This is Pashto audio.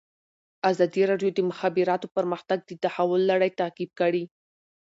ازادي راډیو د د مخابراتو پرمختګ د تحول لړۍ تعقیب کړې.